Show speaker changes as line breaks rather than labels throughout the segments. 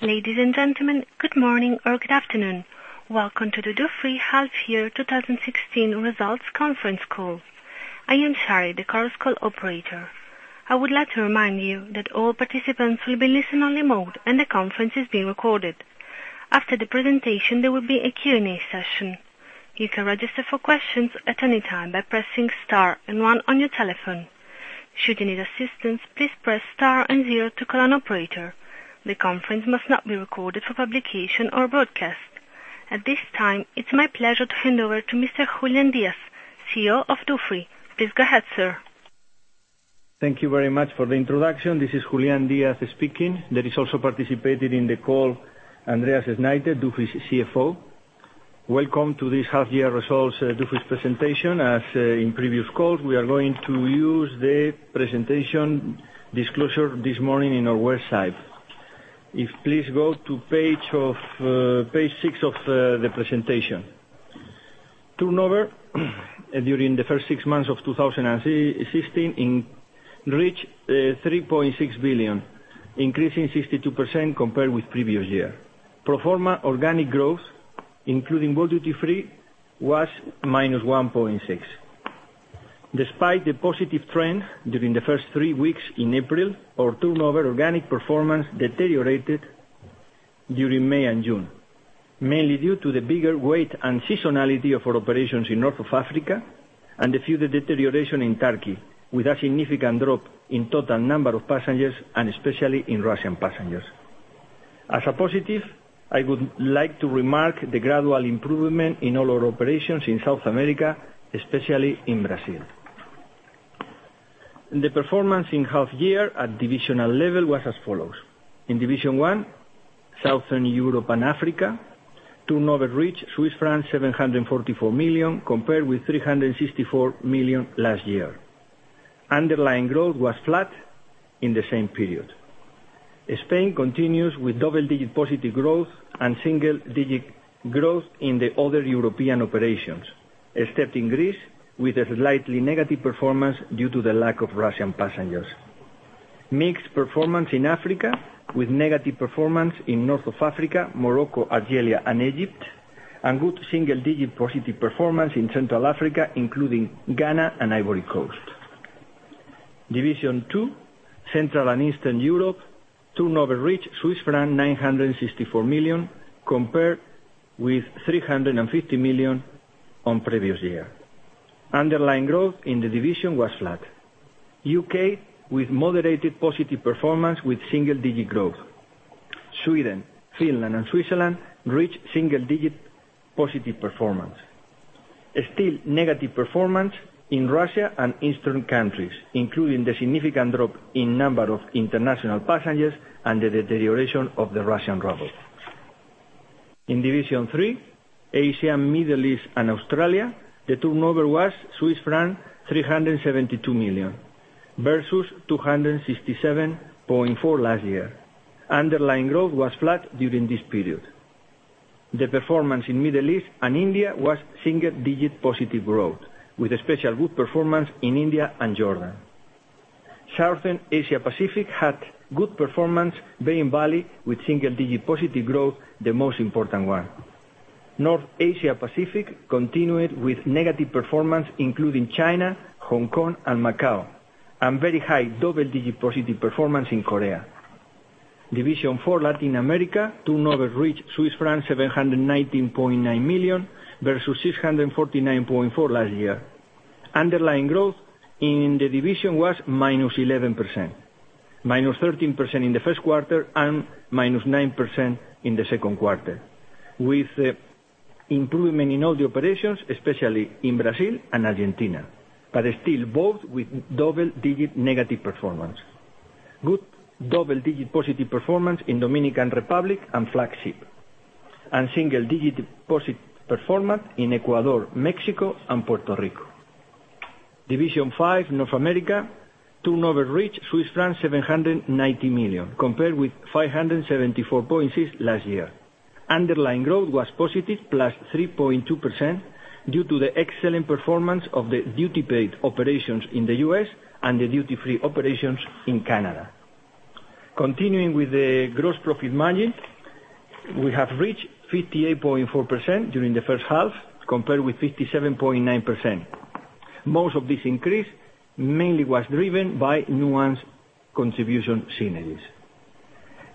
Ladies and gentlemen, good morning or good afternoon. Welcome to the Dufry Half Year 2016 Results Conference Call. I am Shari, the conference call operator. I would like to remind you that all participants will be listen-only mode, and the conference is being recorded. After the presentation, there will be a Q&A session. You can register for questions at any time by pressing star and one on your telephone. Should you need assistance, please press star and zero to call an operator. The conference must not be recorded for publication or broadcast. At this time, it's my pleasure to hand over to Mr. Julián Díaz, CEO of Dufry. Please go ahead, sir.
Thank you very much for the introduction. This is Julián Díaz speaking. There is also participating in the call, Andreas Schneiter, Dufry's CFO. Welcome to this half-year results Dufry's presentation. As in previous calls, we are going to use the presentation disclosure this morning on our website. If please go to page six of the presentation. Turnover during the first six months of 2016 reached 3.6 billion, increasing 62% compared with previous year. Pro forma organic growth, including World Duty Free, was -1.6%. Despite the positive trend during the first three weeks in April, our turnover organic performance deteriorated during May and June, mainly due to the bigger weight and seasonality of our operations in North of Africa and the further deterioration in Turkey, with a significant drop in total number of passengers and especially in Russian passengers. As a positive, I would like to remark the gradual improvement in all our operations in South America, especially in Brazil. The performance in half year at divisional level was as follows. In Division 1, Southern Europe and Africa, turnover reached 744 million, compared with 364 million last year. Underlying growth was flat in the same period. Spain continues with double-digit positive growth and single-digit growth in the other European operations, except in Greece, with a slightly negative performance due to the lack of Russian passengers. Mixed performance in Africa, with negative performance in North of Africa, Morocco, Algeria and Egypt, and good single-digit positive performance in Central Africa, including Ghana and Ivory Coast. Division 2, Central and Eastern Europe, turnover reached Swiss franc 964 million, compared with 350 million on previous year. Underlying growth in the division was flat. U.K. with moderated positive performance with single-digit growth. Sweden, Finland and Switzerland reached single-digit positive performance. Still negative performance in Russia and eastern countries, including the significant drop in number of international passengers and the deterioration of the Russian ruble. In Division 3, Asia, Middle East and Australia, the turnover was Swiss franc 372 million versus 267.4 million last year. Underlying growth was flat during this period. The performance in Middle East and India was single-digit positive growth, with a special good performance in India and Jordan. Southern Asia Pacific had good performance, [Bay and Valley], with single-digit positive growth, the most important one. North Asia Pacific continued with negative performance, including China, Hong Kong and Macau, and very high double-digit positive performance in Korea. Division 4, Latin America, turnover reached Swiss francs 719.9 million, versus 649.4 million last year. Underlying growth in the division was -11%, -13% in the first quarter and -9% in the second quarter, with improvement in all the operations, especially in Brazil and Argentina, but still both with double-digit negative performance. Good double-digit positive performance in Dominican Republic and Flagship, and single-digit positive performance in Ecuador, Mexico and Puerto Rico. Division Five, North America, turnover reached 790 million, compared with 574.6 million last year. Underlying growth was positive, +3.2%, due to the excellent performance of the duty paid operations in the U.S. and the duty-free operations in Canada. Continuing with the gross profit margin, we have reached 58.4% during the first half, compared with 57.9%. Most of this increase mainly was driven by Nuance contribution synergies.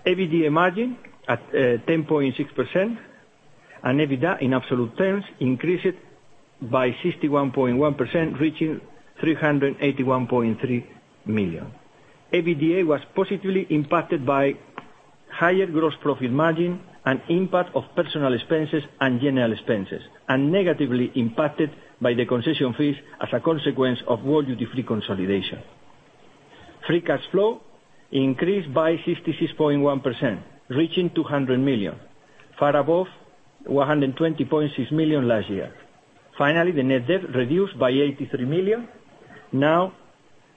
EBITDA margin at 10.6%, and EBITDA, in absolute terms, increased by 61.1%, reaching 381.3 million. EBITDA was positively impacted by higher gross profit margin and impact of personal expenses and general expenses, and negatively impacted by the concession fees as a consequence of World Duty Free consolidation. Free cash flow increased by 66.1%, reaching 200 million, far above 120.6 million last year. The net debt reduced by 83 million, now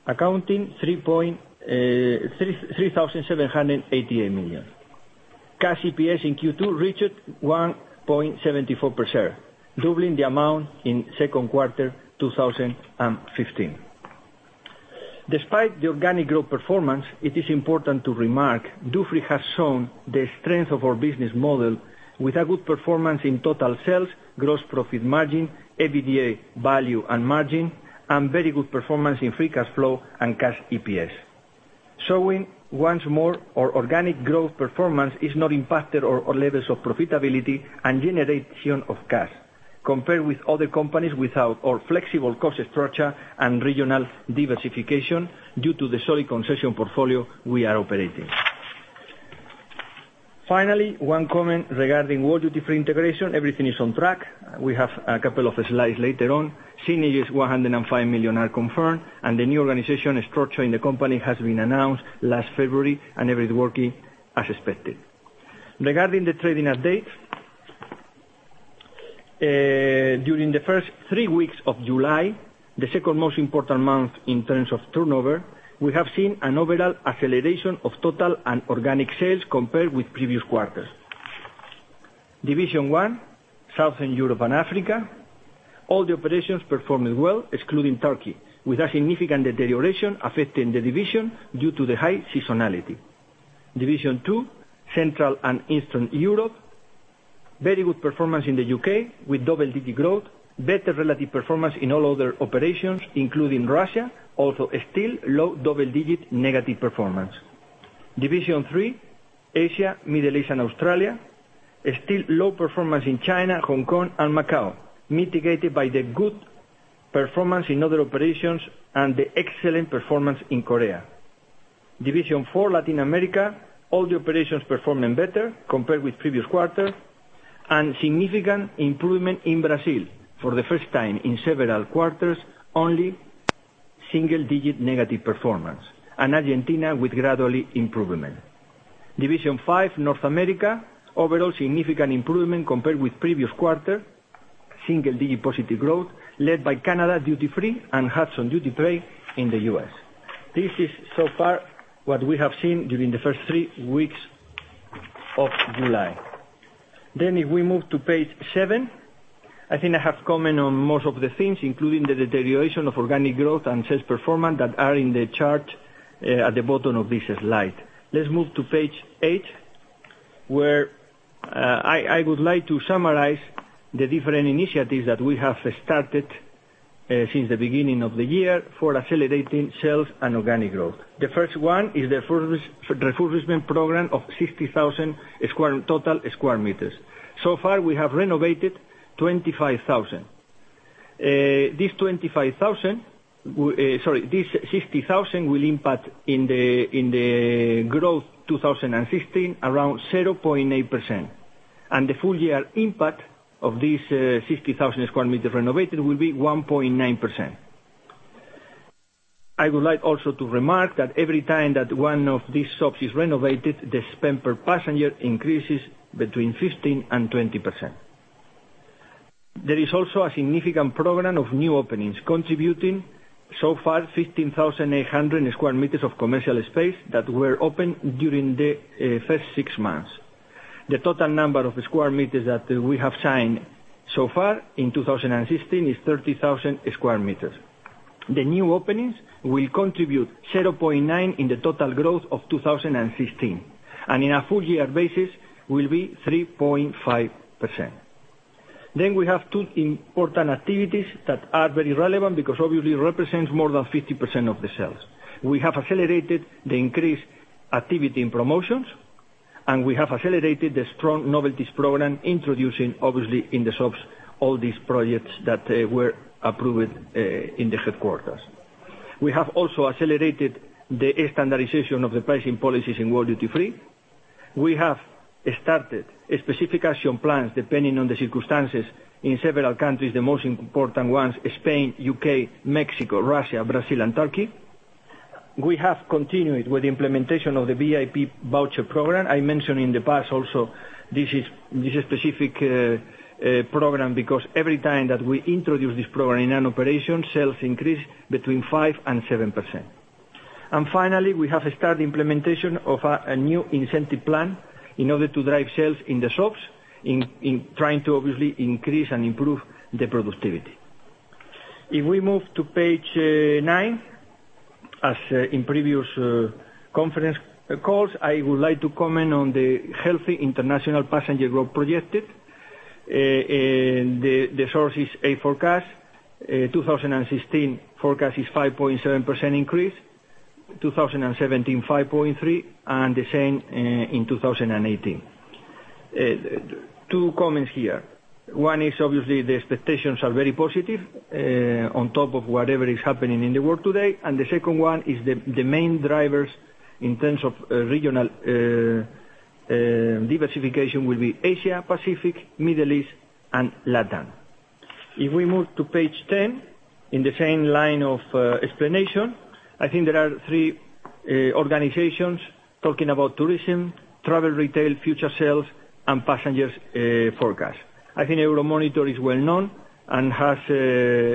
accounting 3,788 million. Cash EPS in Q2 reached 1.74, doubling the amount in second quarter 2015. Despite the organic growth performance, it is important to remark, Dufry has shown the strength of our business model with a good performance in total sales, gross profit margin, EBITDA value and margin, and very good performance in free cash flow and Cash EPS. Showing once more, our organic growth performance is not impacted our levels of profitability and generation of cash, compared with other companies without our flexible cost structure and regional diversification due to the solid concession portfolio we are operating. One comment regarding World Duty Free integration. Everything is on track. We have a couple of slides later on. Synergies, 105 million are confirmed, and the new organization structure in the company has been announced last February, and everything is working as expected. Regarding the trading update, during the first three weeks of July, the second most important month in terms of turnover, we have seen an overall acceleration of total and organic sales compared with previous quarters. Division One, Southern Europe and Africa, all the operations performed well, excluding Turkey, with a significant deterioration affecting the division due to the high seasonality. Division Two, Central and Eastern Europe, very good performance in the U.K. with double-digit growth, better relative performance in all other operations, including Russia, also still low double-digit negative performance. Division Three, Asia, Middle East, and Australia, still low performance in China, Hong Kong and Macau, mitigated by the good performance in other operations and the excellent performance in Korea. Division Four, Latin America, all the operations performing better compared with previous quarter, and significant improvement in Brazil. For the first time in several quarters, only single-digit negative performance, and Argentina with gradually improvement. Division Five, North America, overall significant improvement compared with previous quarter. Single-digit positive growth led by Canada duty free and Hudson duty-paid in the U.S. This is so far what we have seen during the first three weeks of July. If we move to page seven, I think I have commented on most of the things, including the deterioration of organic growth and sales performance that are in the chart at the bottom of this slide. Let's move to page eight, where I would like to summarize the different initiatives that we have started since the beginning of the year for accelerating sales and organic growth. The first one is the refurbishment program of 60,000 total sq m. So far, we have renovated 25,000. This 60,000 will impact in the growth 2016, around 0.8%. The full year impact of this 60,000 sq m renovated will be 1.9%. I would like also to remark that every time that one of these shops is renovated, the spend per passenger increases between 15%-20%. There is also a significant program of new openings, contributing so far 15,800 sq m of commercial space that were opened during the first six months. The total number of sq m that we have signed so far in 2016 is 30,000 sq m. The new openings will contribute 0.9% in the total growth of 2016, and in a full year basis will be 3.5%. We have two important activities that are very relevant because obviously it represents more than 50% of the sales. We have accelerated the increased activity in promotions, and we have accelerated the strong novelties program, introducing, obviously, in the shops, all these projects that were approved in the headquarters. We have also accelerated the standardization of the pricing policies in World Duty Free. We have started specific action plans depending on the circumstances in several countries, the most important ones, Spain, U.K., Mexico, Russia, Brazil, and Turkey. We have continued with the implementation of the VIP Voucher program. I mentioned in the past also, this is a specific program because every time that we introduce this program in an operation, sales increase between 5%-7%. Finally, we have started implementation of a new incentive plan in order to drive sales in the shops, in trying to obviously increase and improve the productivity. If we move to page nine, as in previous conference calls, I would like to comment on the healthy international passenger growth projected. The source is ACI Forecast. 2016 forecast is 5.7% increase, 2017, 5.3%, and the same in 2018. Two comments here. One is obviously the expectations are very positive on top of whatever is happening in the world today. The second one is the main drivers in terms of regional diversification will be Asia, Pacific, Middle East and LATAM. If we move to page 10, in the same line of explanation, I think there are three organizations talking about tourism, travel retail, future sales, and passengers forecast. I think Euromonitor is well-known and has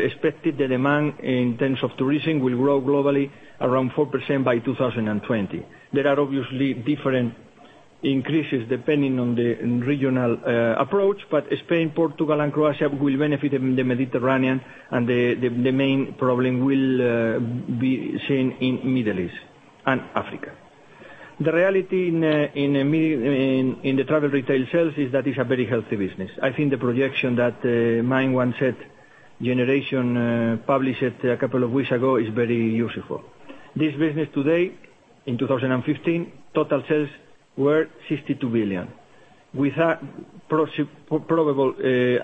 expected the demand in terms of tourism will grow globally around 4% by 2020. There are obviously different increases depending on the regional approach. Spain, Portugal, and Croatia will benefit in the Mediterranean, and the main problem will be seen in Middle East and Africa. The reality in the travel retail sales is that it's a very healthy business. The projection that m1nd-set, Generation Research published it a couple of weeks ago, is very useful. This business today, in 2015, total sales were 62 billion. With a probable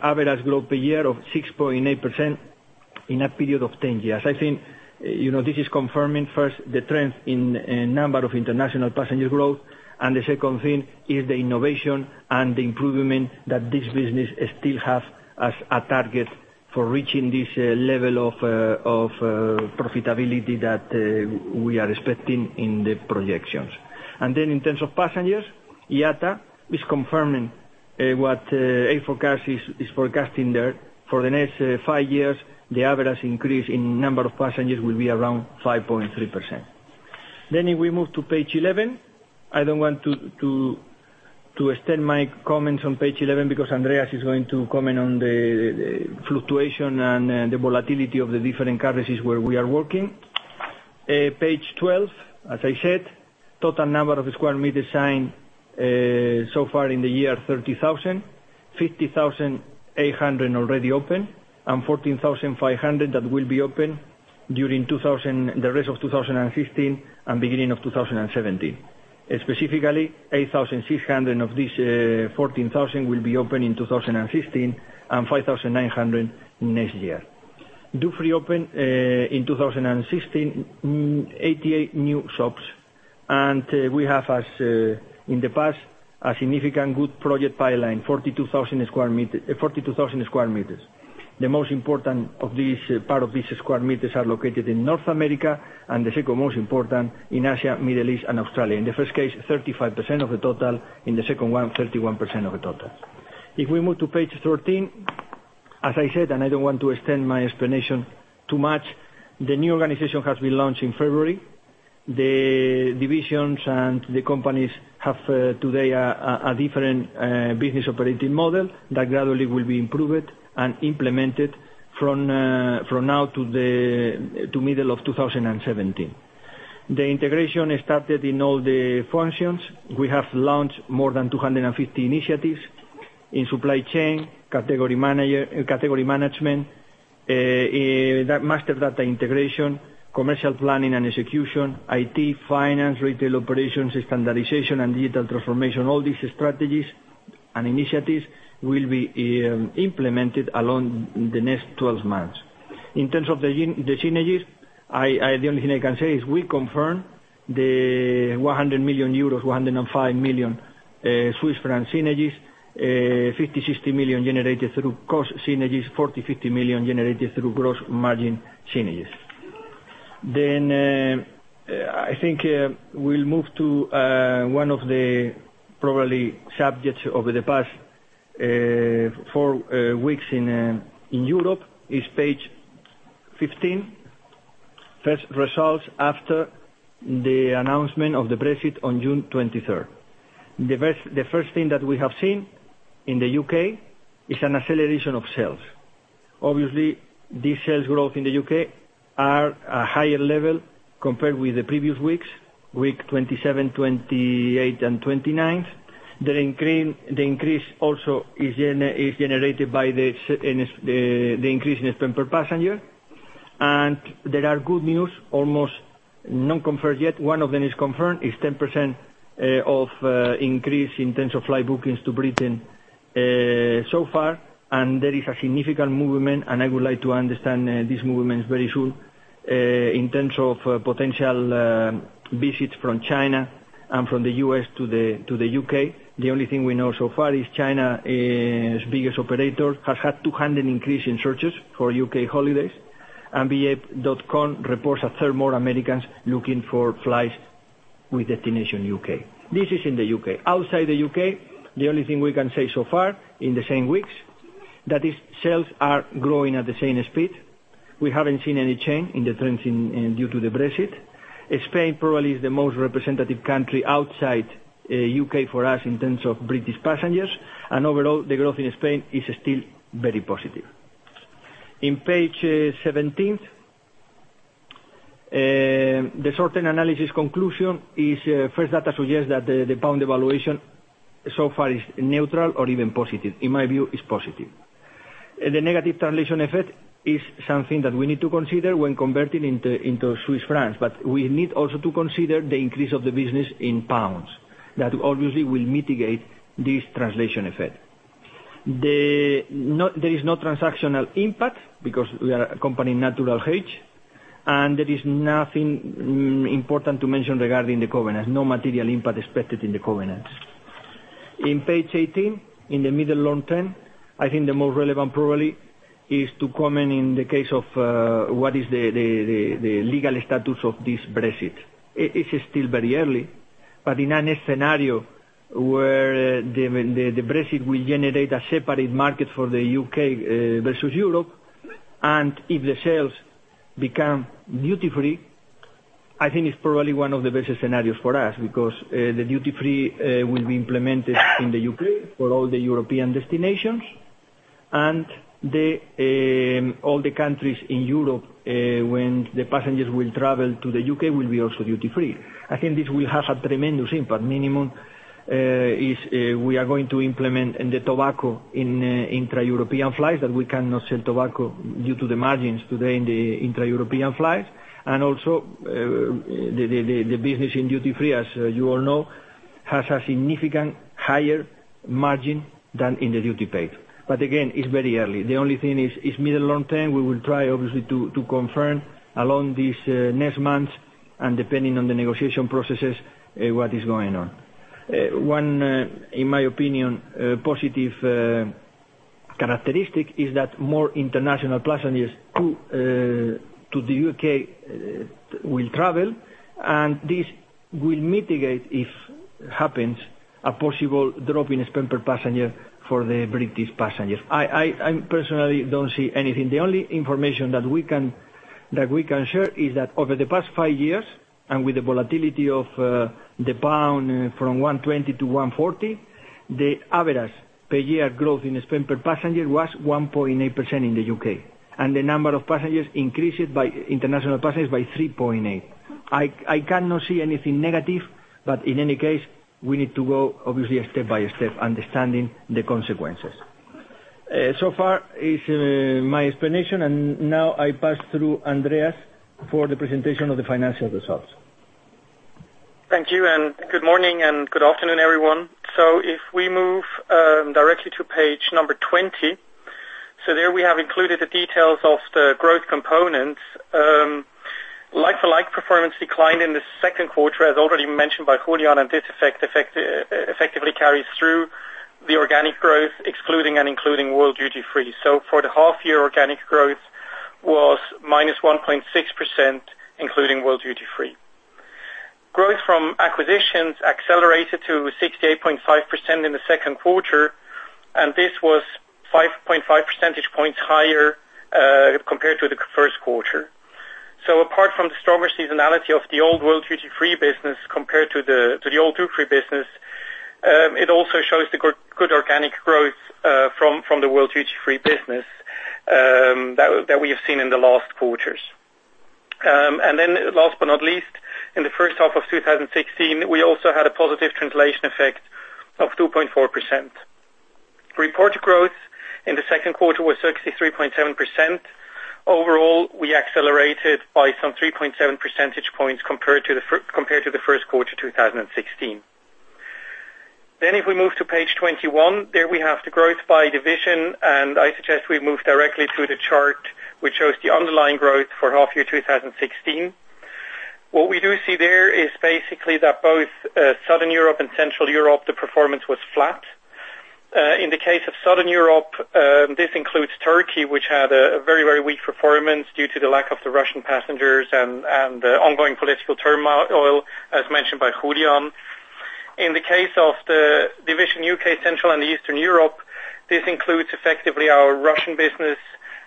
average growth per year of 6.8% in a period of 10 years. This is confirming first, the trend in number of international passenger growth. The second thing is the innovation and the improvement that this business still have as a target for reaching this level of profitability that we are expecting in the projections. In terms of passengers, IATA is confirming what ACI is forecasting there. For the next five years, the average increase in number of passengers will be around 5.3%. If we move to page 11, I don't want to extend my comments on page 11 because Andreas is going to comment on the fluctuation and the volatility of the different currencies where we are working. Page 12, as I said, total number of square meters signed so far in the year, 30,000. 15,800 already open, and 14,500 that will be open during the rest of 2016 and beginning of 2017. Specifically, 8,600 of these 14,000 will be open in 2016, and 5,900 next year. Duty free open in 2016, 88 new shops. We have, as in the past, a significant good project pipeline, 42,000 square meters. The most important part of these square meters are located in North America, and the second most important in Asia, Middle East, and Australia. In the first case, 35% of the total, in the second one, 31% of the total. If we move to page 13, as I said, I don't want to extend my explanation too much, the new organization has been launched in February. The divisions and the companies have, today, a different business operating model that gradually will be improved and implemented from now to middle of 2017. The integration has started in all the functions. We have launched more than 250 initiatives in supply chain, category management, master data integration, commercial planning and execution, IT, finance, retail operations, standardization, and digital transformation. All these strategies and initiatives will be implemented along the next 12 months. In terms of the synergies, the only thing I can say is we confirm the 100 million euros, 105 million Swiss franc synergies, 50 million-60 million generated through cost synergies, 40 million-50 million generated through gross margin synergies. I think we'll move to one of the probably subjects over the past four weeks in Europe, is page 15. First results after the announcement of the Brexit on June 23rd. The first thing that we have seen in the U.K. is an acceleration of sales. Obviously, these sales growth in the U.K. are a higher level compared with the previous weeks, week 27, 28, and 29th. The increase also is generated by the increase in spend per passenger. There are good news, almost not confirmed yet. One of them is confirmed, is 10% of increase in terms of flight bookings to Britain so far, and there is a significant movement, and I would like to understand these movements very soon, in terms of potential visits from China and from the U.S. to the U.K. The only thing we know so far is China's biggest operator has had 200% increase in searches for U.K. holidays, and ba.com reports a third more Americans looking for flights with destination U.K. This is in the U.K. Outside the U.K., the only thing we can say so far in the same weeks, that is, sales are growing at the same speed. We haven't seen any change in the trends due to the Brexit. Spain probably is the most representative country outside U.K. for us in terms of British passengers. And overall, the growth in Spain is still very positive. In page 17, the short-term analysis conclusion is, first data suggests that the pound devaluation so far is neutral or even positive. In my view, it's positive. The negative translation effect is something that we need to consider when converting into Swiss francs, but we need also to consider the increase of the business in pounds, that obviously will mitigate this translation effect. There is no transactional impact because we are a company natural hedge, and there is nothing important to mention regarding the covenants. No material impact expected in the covenants. In page 18, in the middle long-term, I think the most relevant probably is to comment in the case of what is the legal status of this Brexit. It's still very early, but in any scenario where the Brexit will generate a separate market for the U.K. versus Europe. And if the sales become duty free, I think it's probably one of the best scenarios for us, because the duty free will be implemented in the U.K. for all the European destinations. And all the countries in Europe, when the passengers will travel to the U.K., will be also duty free. I think this will have a tremendous impact. Minimum, is we are going to implement the tobacco in intra-European flights, that we cannot sell tobacco due to the margins today in the intra-European flights. And also, the business in duty free, as you all know, has a significant higher margin than in the duty paid. But again, it's very early. The only thing is mid and long-term, we will try, obviously, to confirm along these next months, and depending on the negotiation processes, what is going on. One, in my opinion, positive characteristic is that more international passengers to the U.K. will travel, and this will mitigate, if happens, a possible drop in spend per passenger for the British passengers. I personally don't see anything. The only information that we can share is that over the past five years, and with the volatility of the pound from 120 to 140, the average per year growth in spend per passenger was 1.8% in the U.K. And the number of international passengers increased by 3.8%. I cannot see anything negative. But in any case, we need to go, obviously, step by step, understanding the consequences. So far is my explanation, and now I pass to Andreas for the presentation of the financial results.
Thank you, good morning and good afternoon, everyone. If we move directly to page number 20. There we have included the details of the growth components. Like-for-like performance declined in the second quarter, as already mentioned by Julián, and this effect effectively carries through the organic growth, excluding and including World Duty Free. For the half year, organic growth was -1.6%, including World Duty Free. Growth from acquisitions accelerated to 68.5% in the second quarter, and this was 5.5 percentage points higher, compared to the first quarter. Apart from the stronger seasonality of the old World Duty Free business compared to the old Dufry business, it also shows the good organic growth from the World Duty Free business that we have seen in the last quarters. Last but not least, in the first half of 2016, we also had a positive translation effect of 2.4%. Reported growth in the second quarter was 63.7%. Overall, we accelerated by some 3.7 percentage points compared to the first quarter 2016. If we move to page 21, there we have the growth by division, and I suggest we move directly to the chart which shows the underlying growth for half year 2016. What we do see there is basically that both Southern Europe and Central Europe, the performance was flat. In the case of Southern Europe, this includes Turkey, which had a very weak performance due to the lack of the Russian passengers and the ongoing political turmoil, as mentioned by Julián. In the case of the division U.K., Central, and Eastern Europe, this includes effectively our Russian business,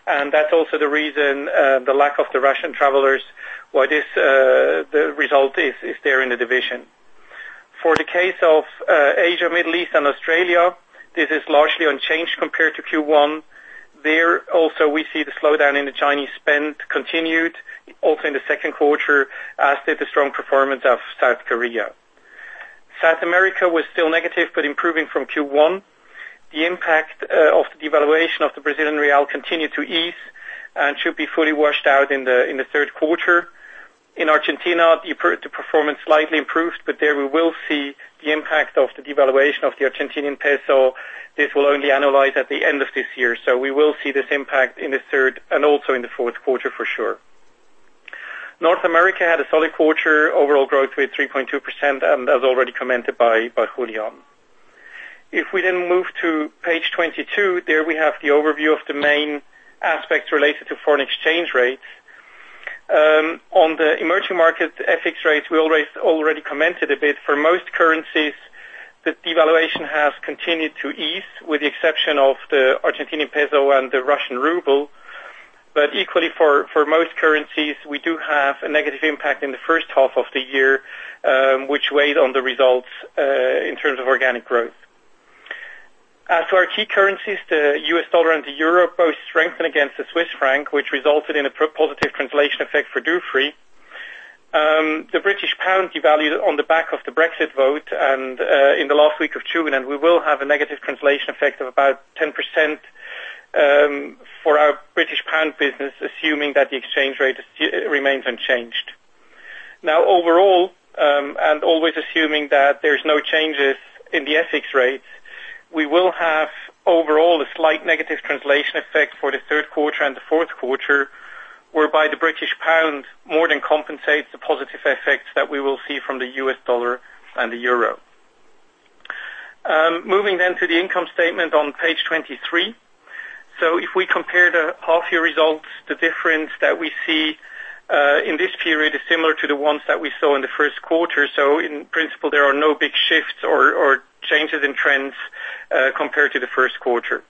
and that's also the reason, the lack of the Russian travelers, why the result is there in the division. For the case of Asia, Middle East, and Australia, this is largely unchanged compared to Q1. There, also, we see the slowdown in the Chinese spend continued also in the second quarter, as did the strong performance of South Korea. South America was still negative, but improving from Q1. The impact of the devaluation of the Brazilian real continued to ease and should be fully washed out in the third quarter. In Argentina, the performance slightly improved, but there we will see the impact of the devaluation of the Argentinian peso. This will only annualize at the end of this year. We will see this impact in the third and also in the fourth quarter for sure. North America had a solid quarter. Overall growth was 3.2%, and as already commented by Julián. If we move to page 22, there we have the overview of the main aspects related to foreign exchange rates. On the emerging markets FX rates, we already commented a bit. For most currencies, the devaluation has continued to ease, with the exception of the Argentinian peso and the Russian ruble. Equally, for most currencies, we do have a negative impact in the first half of the year, which weighed on the results in terms of organic growth. As to our key currencies, the U.S. dollar and the euro both strengthened against the Swiss franc, which resulted in a positive translation effect for Dufry. The British pound devalued on the back of the Brexit vote in the last week of June, we will have a negative translation effect of about 10% for our British pound business, assuming that the exchange rate remains unchanged. Overall, always assuming that there is no changes in the FX rates, we will have overall a slight negative translation effect for the third quarter and the fourth quarter, whereby the British pound more than compensates the positive effects that we will see from the U.S. dollar and the euro. Moving to the income statement on page 23. If we compare the half year results, the difference that we see in this period is similar to the ones that we saw in the first quarter. In principle, there are no big shifts or changes in trends compared to the first quarter.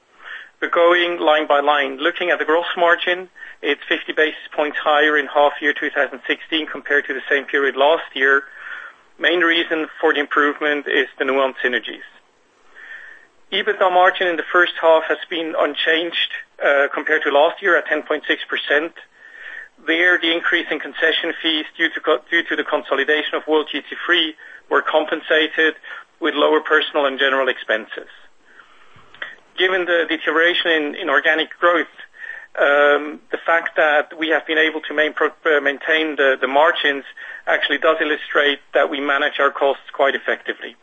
Going line by line, looking at the gross margin, it is 50 basis points higher in half year 2016 compared to the same period last year. Main reason for the improvement is the Nuance synergies. EBITDA margin in the first half has been unchanged, compared to last year at 10.6%. There, the increase in concession fees due to the consolidation of World Duty Free were compensated with lower personal and general expenses. Given the deterioration in organic growth, the fact that we have been able to maintain the margins actually does illustrate that we manage our costs quite effectively.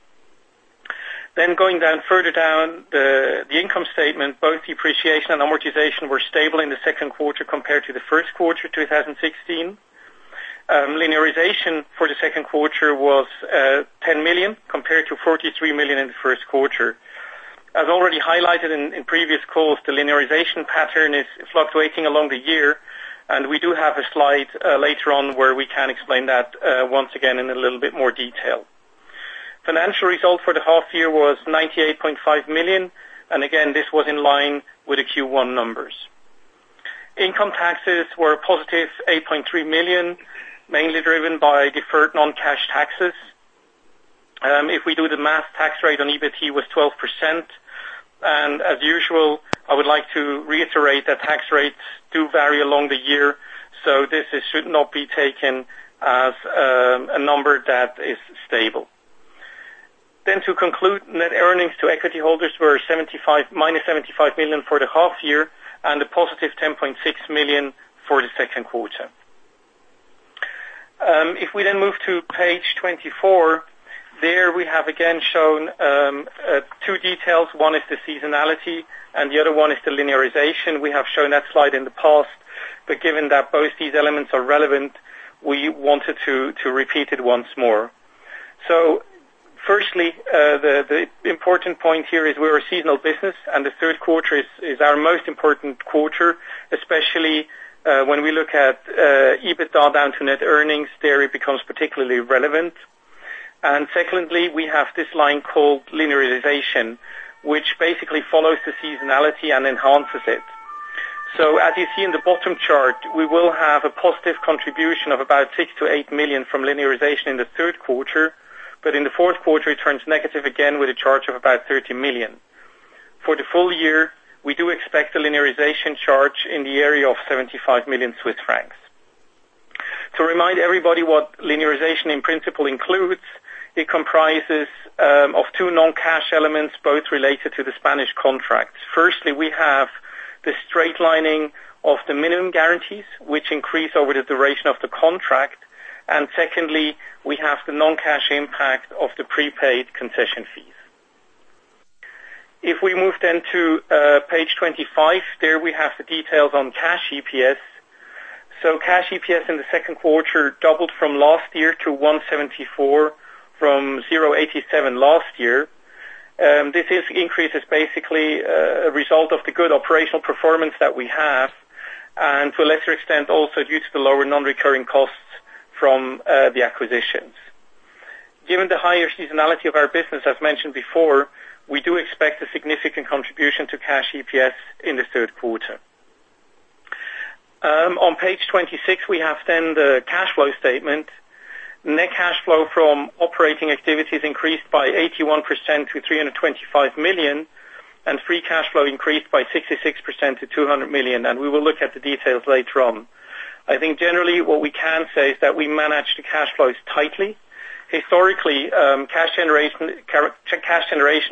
Going further down the income statement, both depreciation and amortization were stable in the second quarter compared to the first quarter 2016. linearization for the second quarter was 10 million, compared to 43 million in the first quarter. As already highlighted in previous calls, the linearization pattern is fluctuating along the year, and we do have a slide later on where we can explain that once again in a little bit more detail. Financial result for the half year was 98.5 million, and again, this was in line with the Q1 numbers. Income taxes were a positive 8.3 million, mainly driven by deferred non-cash taxes. If we do the math, tax rate on EBIT was 12%. As usual, I would like to reiterate that tax rates do vary along the year, this should not be taken as a number that is stable. To conclude, net earnings to equity holders were minus 75 million for the half year, and a positive 10.6 million for the second quarter. If we move to page 24, there we have again shown two details. One is the seasonality and the other one is the linearization. We have shown that slide in the past, given that both these elements are relevant, we wanted to repeat it once more. Firstly, the important point here is we are a seasonal business and the third quarter is our most important quarter, especially when we look at EBITDA down to net earnings, there it becomes particularly relevant. Secondly, we have this line called linearization, which basically follows the seasonality and enhances it. As you see in the bottom chart, we will have a positive contribution of about 6 million to 8 million from linearization in the third quarter, in the fourth quarter, it turns negative again with a charge of about 30 million. For the full year, we do expect a linearization charge in the area of 75 million Swiss francs. To remind everybody what linearization in principle includes, it comprises of two non-cash elements, both related to the Spanish contracts. Firstly, we have the straight-lining of the minimum guarantees, which increase over the duration of the contract. Secondly, we have the non-cash impact of the prepaid concession fees. Moving to page 25, there we have the details on Cash EPS. Cash EPS in the second quarter doubled from last year to 1.74 from 0.87 last year. This increase is basically a result of the good operational performance that we have, and to a lesser extent, also due to the lower non-recurring costs from the acquisitions. Given the higher seasonality of our business as mentioned before, we do expect a significant contribution to Cash EPS in the third quarter. On page 26, we have then the cash flow statement. Net cash flow from operating activities increased by 81% to 325 million, and free cash flow increased by 66% to 200 million, and we will look at the details later on. I think generally what we can say is that we manage the cash flows tightly. Historically, cash generation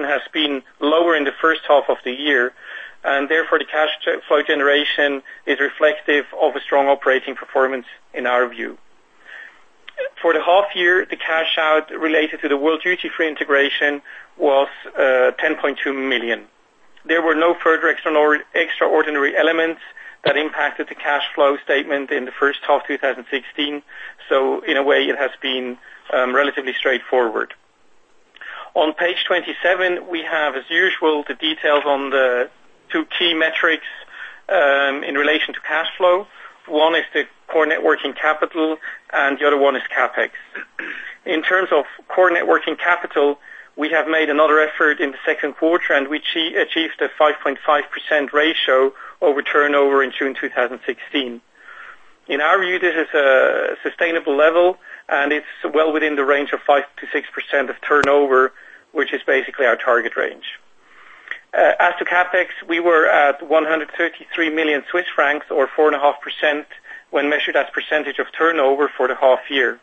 has been lower in the first half of the year, and therefore the cash flow generation is reflective of a strong operating performance in our view. For the half year, the cash out related to the World Duty Free integration was 10.2 million. There were no further extraordinary elements that impacted the cash flow statement in the first half 2016. In a way, it has been relatively straightforward. On page 27, we have as usual, the details on the two key metrics, in relation to cash flow. One is the core net working capital and the other one is CapEx. In terms of core net working capital, we have made another effort in the second quarter and we achieved a 5.5% ratio over turnover in June 2016. In our view, this is a sustainable level, and it's well within the range of 5%-6% of turnover, which is basically our target range. As to CapEx, we were at 133 million Swiss francs or 4.5% when measured as percentage of turnover for the half year.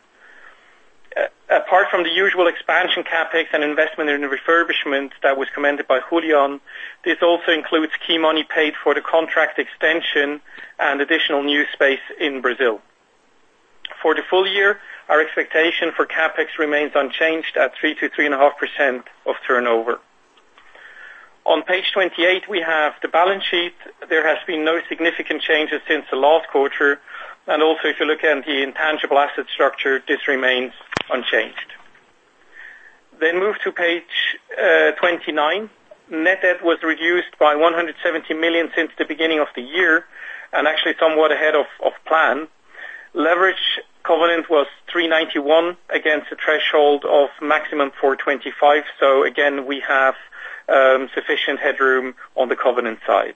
Apart from the usual expansion CapEx and investment in the refurbishment that was commented by Julián, this also includes key money paid for the contract extension and additional new space in Brazil. For the full year, our expectation for CapEx remains unchanged at 3%-3.5% of turnover. On page 28, we have the balance sheet. There has been no significant changes since the last quarter. Also if you look at the intangible asset structure, this remains unchanged. Move to page 29. Net debt was reduced by 170 million since the beginning of the year, and actually somewhat ahead of plan. Leverage covenant was 391 against a threshold of maximum 425. Again, we have sufficient headroom on the covenant side.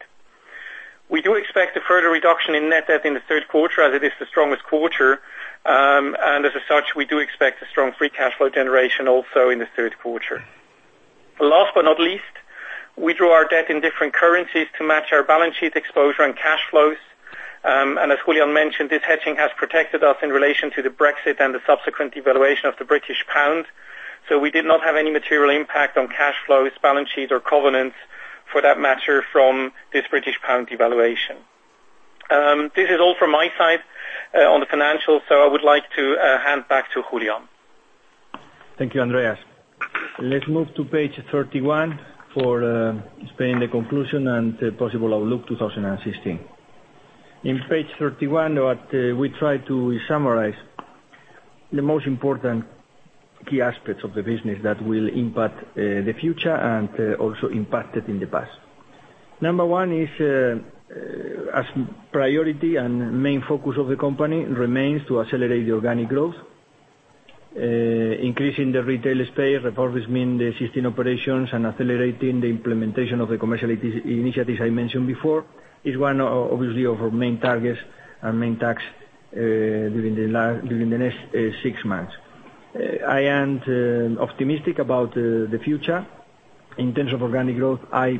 We do expect a further reduction in net debt in the third quarter as it is the strongest quarter. As such, we do expect a strong free cash flow generation also in the third quarter. Last but not least, we draw our debt in different currencies to match our balance sheet exposure and cash flows. As Julián mentioned, this hedging has protected us in relation to the Brexit and the subsequent devaluation of the British pound. We did not have any material impact on cash flows, balance sheets, or covenants for that matter from this British pound devaluation. This is all from my side on the financials, I would like to hand back to Julián.
Thank you, Andreas. Let's move to page 31 for explaining the conclusion and the possible outlook 2016. Page 31, we try to summarize the most important key aspects of the business that will impact the future and also impacted in the past. Number one is, as priority and main focus of the company, remains to accelerate the organic growth, increasing the retail space, the existing operations, and accelerating the implementation of the commercial initiatives I mentioned before, is one, obviously, of our main targets and main tasks during the next six months. I am optimistic about the future in terms of organic growth. I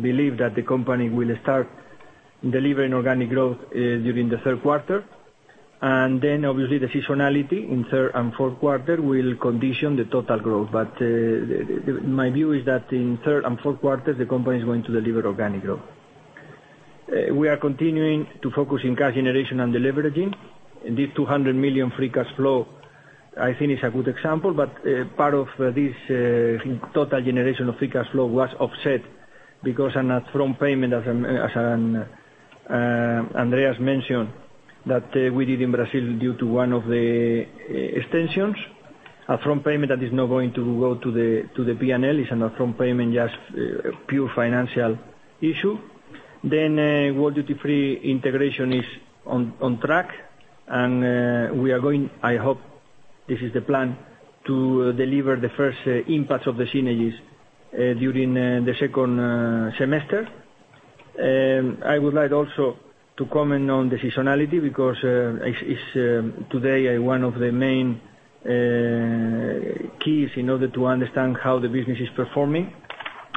believe that the company will start delivering organic growth during the third quarter. Obviously the seasonality in third and fourth quarter will condition the total growth. My view is that in third and fourth quarter, the company is going to deliver organic growth. We are continuing to focus on cash generation and deleveraging. This 200 million free cash flow, I think, is a good example. Part of this total generation of free cash flow was offset because on an upfront payment, as Andreas mentioned, that we did in Brazil due to one of the extensions, an upfront payment that is now going to go to the P&L. It's an upfront payment, just pure financial issue. World Duty Free integration is on track. We are going, I hope, this is the plan, to deliver the first impact of the synergies during the second semester. I would like also to comment on the seasonality, because it's today one of the main keys in order to understand how the business is performing.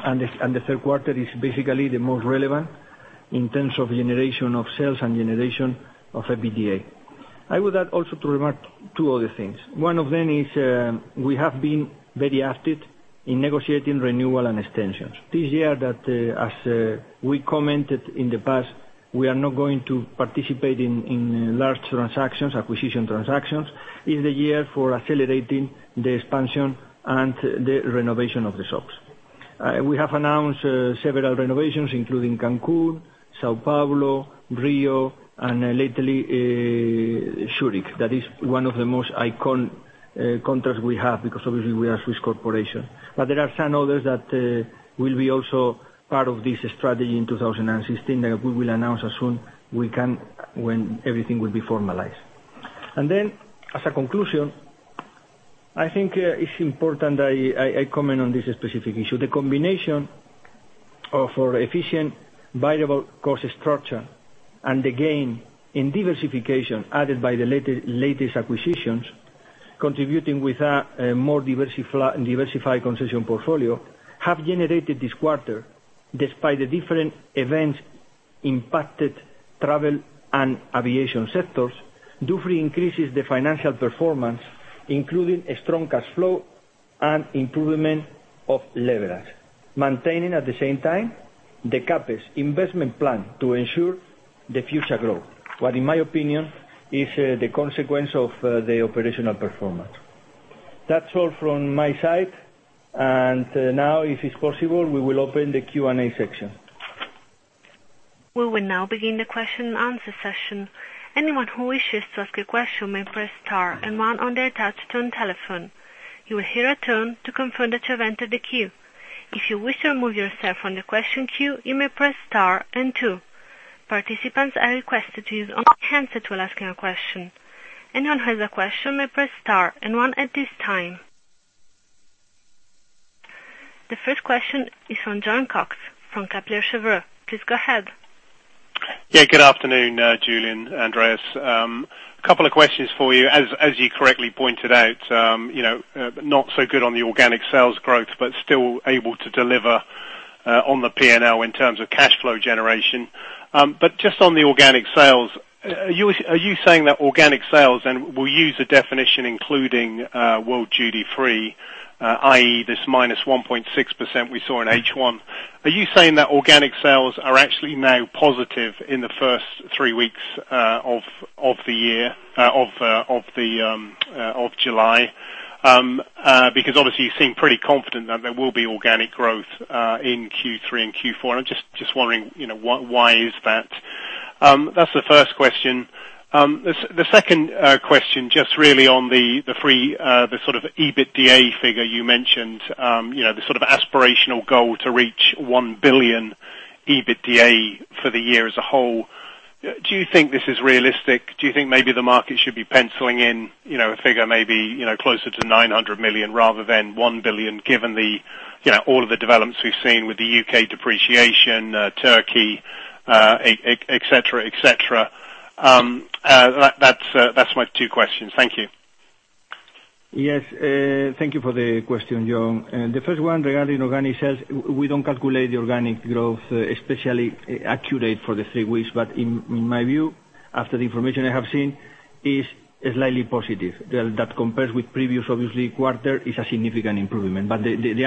The third quarter is basically the most relevant in terms of generation of sales and generation of EBITDA. I would like also to remark two other things. One of them is we have been very active in negotiating renewal and extensions. This year that, as we commented in the past, we are not going to participate in large transactions, acquisition transactions, is the year for accelerating the expansion and the renovation of the shops. We have announced several renovations including Cancun, São Paulo, Rio, and lately, Zurich. That is one of the most iconic contracts we have because obviously we are a Swiss corporation. There are some others that will be also part of this strategy in 2016, that we will announce as soon we can when everything will be formalized. As a conclusion, I think it's important I comment on this specific issue. The combination of our efficient variable cost structure and the gain in diversification added by the latest acquisitions, contributing with a more diversified concession portfolio, have generated this quarter, despite the different events impacted travel and aviation sectors, Dufry increases the financial performance, including a strong cash flow and improvement of leverage, maintaining at the same time the CapEx investment plan to ensure the future growth, what in my opinion, is the consequence of the operational performance. That is all from my side. Now, if it is possible, we will open the Q&A section.
We will now begin the question and answer session. Anyone who wishes to ask a question may press star and one on their touch-tone telephone. You will hear a tone to confirm that you have entered the queue. If you wish to remove yourself from the question queue, you may press star and two. Participants are requested to use only [headsets when asking a question]. Anyone who has a question may press star and one at this time. The first question is from Jon Cox from Kepler Cheuvreux. Please go ahead.
Good afternoon, Julián, Andreas. Couple of questions for you. As you correctly pointed out, not so good on the organic sales growth, but still able to deliver on the P&L in terms of cash flow generation. Just on the organic sales, are you saying that organic sales, and we will use the definition including World Duty Free, i.e., this -1.6% we saw in H1, are you saying that organic sales are actually now positive in the first three weeks of July? Because obviously you seem pretty confident that there will be organic growth in Q3 and Q4. I am just wondering why is that? That is the first question. The second question, just really on the free, the sort of EBITDA figure you mentioned, the sort of aspirational goal to reach 1 billion EBITDA for the year as a whole, do you think this is realistic? Do you think maybe the market should be penciling in a figure maybe closer to 900 million rather than 1 billion, given all of the developments we have seen with the U.K. depreciation, Turkey, et cetera? That is my two questions. Thank you.
Yes. Thank you for the question, Jon. The first one regarding organic sales, we don't calculate the organic growth, especially accurate for the three weeks. In my view, after the information I have seen, is slightly positive. The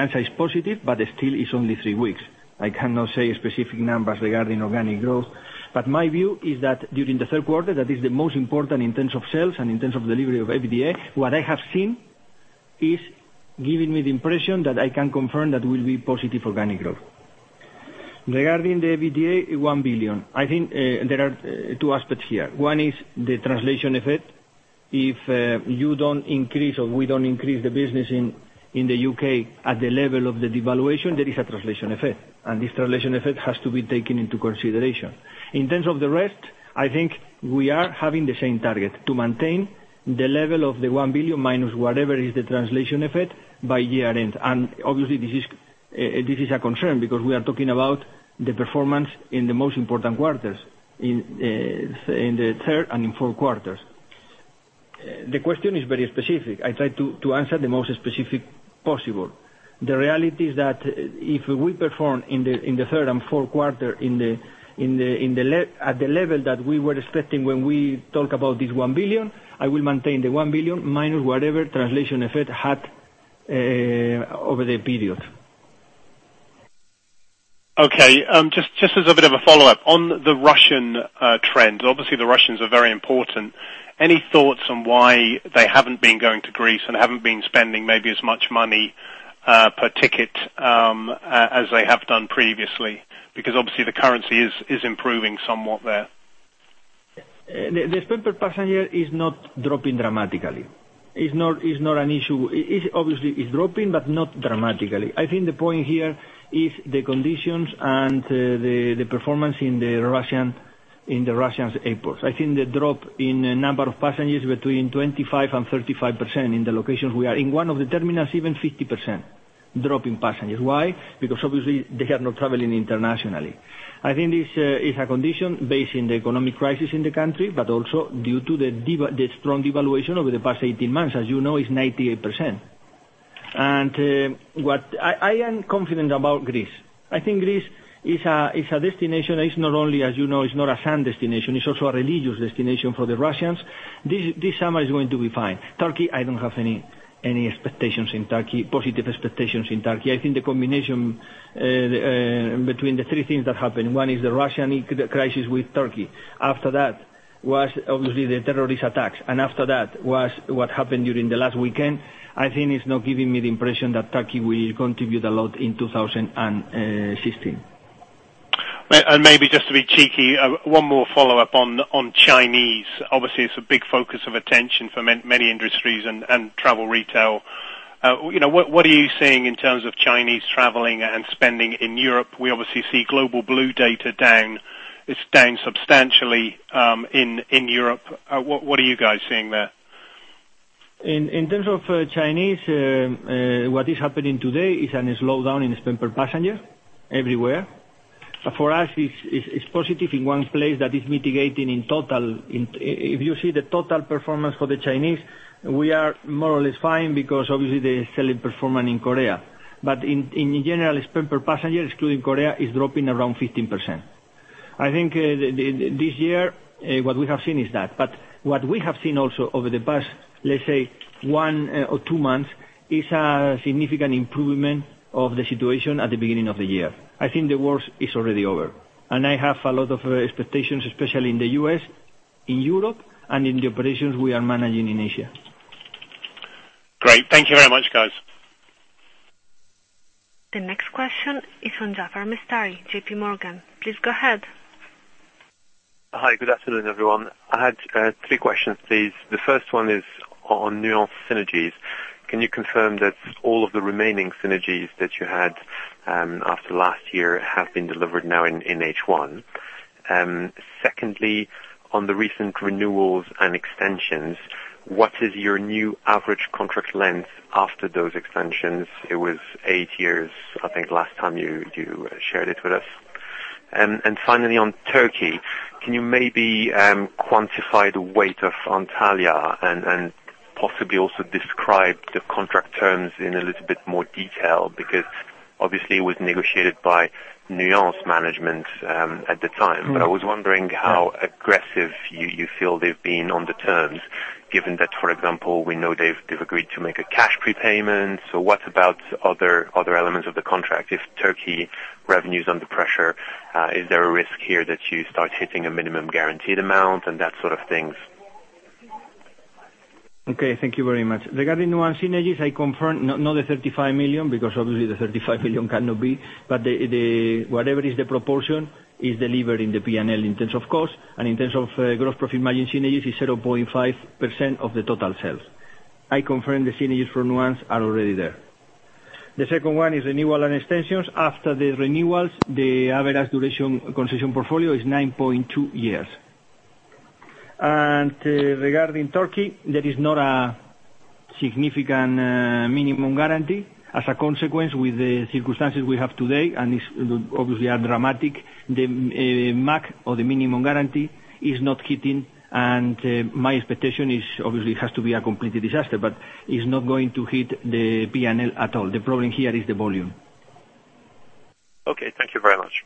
answer is positive, but still it's only three weeks. I cannot say specific numbers regarding organic growth. My view is that during the third quarter, that is the most important in terms of sales and in terms of delivery of EBITDA. What I have seen is giving me the impression that I can confirm that will be positive organic growth. Regarding the EBITDA, 1 billion. I think there are two aspects here. One is the translation effect. If you don't increase or we don't increase the business in the U.K. at the level of the devaluation, there is a translation effect, and this translation effect has to be taken into consideration. In terms of the rest, I think we are having the same target, to maintain the level of the 1 billion, minus whatever is the translation effect, by year end. Obviously this is a concern because we are talking about the performance in the most important quarters, in the third and in fourth quarters. The question is very specific. I try to answer the most specific possible. The reality is that if we perform in the third and fourth quarter at the level that we were expecting when we talk about this 1 billion, I will maintain the 1 billion, minus whatever translation effect had over the period.
Okay. Just as a bit of a follow-up. On the Russian trend, obviously the Russians are very important. Any thoughts on why they haven't been going to Greece and haven't been spending maybe as much money per ticket as they have done previously? Because obviously the currency is improving somewhat there.
The spend per passenger is not dropping dramatically. It's not an issue. Obviously, it's dropping, but not dramatically. I think the point here is the conditions and the performance in the Russian airports. I think the drop in number of passengers between 25% and 35% in the locations we are. In one of the terminals, even 50% drop in passengers. Why? Because obviously they are not traveling internationally. I think this is a condition based in the economic crisis in the country, also due to the strong devaluation over the past 18 months. As you know, it's 98%. I am confident about Greece. I think Greece is a destination. It's not only, as you know, it's not a sun destination, it's also a religious destination for the Russians. This summer is going to be fine. Turkey, I don't have any expectations in Turkey, positive expectations in Turkey. I think the combination between the three things that happened. One is the Russian crisis with Turkey. After that was obviously the terrorist attacks, and after that was what happened during the last weekend. I think it's not giving me the impression that Turkey will contribute a lot in 2016.
Maybe just to be cheeky, one more follow-up on Chinese. Obviously, it's a big focus of attention for many industries and travel retail. What are you seeing in terms of Chinese traveling and spending in Europe? We obviously see Global Blue data down. It's down substantially in Europe. What are you guys seeing there?
In terms of Chinese, what is happening today is a slowdown in spend per passenger everywhere. For us, it's positive in one place that is mitigating in total. If you see the total performance for the Chinese, we are more or less fine because obviously the selling performance in Korea. In general, spend per passenger, excluding Korea, is dropping around 15%. I think this year what we have seen is that. What we have seen also over the past, let's say one or two months, is a significant improvement of the situation at the beginning of the year. I think the worst is already over, and I have a lot of expectations, especially in the U.S., in Europe, and in the operations we are managing in Asia.
Great. Thank you very much, guys.
The next question is from Jaafar Mestari, J.P. Morgan. Please go ahead.
Hi. Good afternoon, everyone. I had three questions, please. The first one is on Nuance synergies. Can you confirm that all of the remaining synergies that you had after last year have been delivered now in H1? Secondly, on the recent renewals and extensions, what is your new average contract length after those extensions? It was eight years, I think, last time you shared it with us. Finally on Turkey, can you maybe quantify the weight of Antalya and possibly also describe the contract terms in a little bit more detail? Because obviously it was negotiated by Nuance management at the time. I was wondering how aggressive you feel they've been on the terms, given that, for example, we know they've agreed to make a cash prepayment. What about other elements of the contract? If Turkey revenue is under pressure, is there a risk here that you start hitting a minimum guaranteed amount and that sort of things?
Okay. Thank you very much. Regarding Nuance synergies, I confirm not the 35 million, because obviously the 35 million cannot be, but whatever is the proportion is delivered in the P&L in terms of cost and in terms of gross profit margin synergies is 0.5% of the total sales. I confirm the synergies for Nuance are already there. The second one is renewal and extensions. After the renewals, the average duration concession portfolio is 9.2 years. Regarding Turkey, there is not a significant minimum guarantee. As a consequence, with the circumstances we have today, and it's obviously are dramatic, the MAG or the minimum guarantee is not hitting, and my expectation is obviously it has to be a complete disaster, but is not going to hit the P&L at all. The problem here is the volume.
Okay. Thank you very much.